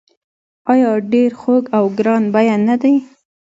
آیا ډیر خوږ او ګران بیه نه دي؟